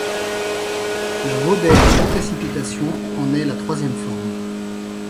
La vaudaire de précipitations en est la troisième forme.